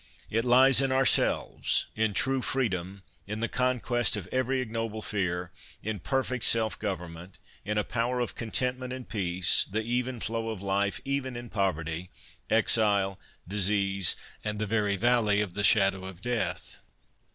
It lies in ourselves, in true freedom, in the conquest of every ignoble fear, in perfect self government, in a power of content ment and peace, the even flow of life, even in poverty, A PILGRIMAGE I3I exile, disease, and the very valley of the shadow of death.'